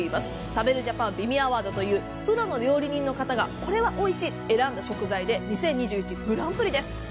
食べるＪＡＰＡＮ美味アワードというプロの料理人の方がこれはおいしいと選んだ食材で２０２１グランプリです。